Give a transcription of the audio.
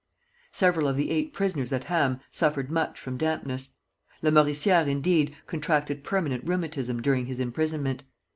Several of the eight prisoners at Ham suffered much from dampness. Lamoricière, indeed, contracted permanent rheumatism during his imprisonment.